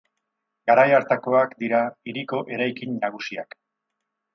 Garai hartakoak dira hiriko eraikin nagusiak.